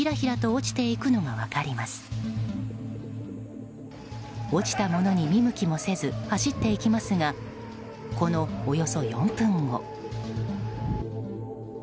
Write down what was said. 落ちたものに見向きもせず走っていきますがこのおよそ４分後。